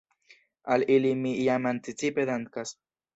Al ili mi jam anticipe dankas.